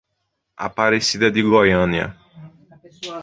Aparecida de Goiânia